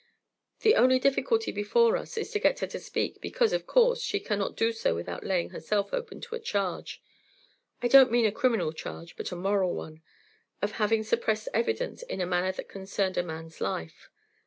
The only difficulty before us is to get her to speak, because, of course, she cannot do so without laying herself open to a charge I don't mean a criminal charge, but a moral one of having suppressed evidence in a manner that concerned a man's life.